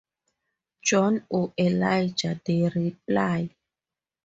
John or Elijah, they reply.